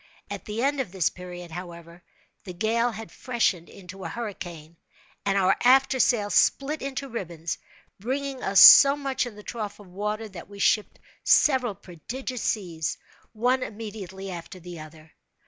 At the end of this period, however, the gale had freshened into a hurricane, and our after sail split into ribbons, bringing us so much in the trough of the water that we shipped several prodigious seas, one immediately after the other.